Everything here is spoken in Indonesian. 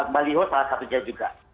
baliho salah satu dia juga